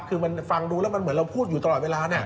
คือมันฟังดูแล้วมันเหมือนเราพูดอยู่ตลอดเวลา